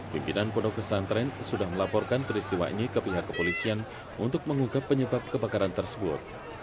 pimpinan pondok pesantren sudah melaporkan peristiwa ini ke pihak kepolisian untuk mengungkap penyebab kebakaran tersebut